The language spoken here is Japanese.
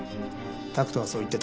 拓斗はそう言ってた。